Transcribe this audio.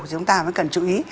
chúng ta mới cần chú ý